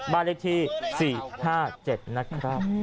มาเรียกที๔๕๗นะครับ